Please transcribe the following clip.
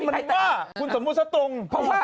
มนุ่งคุณสมมุติซะตรง